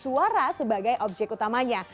bersuara sebagai objek utamanya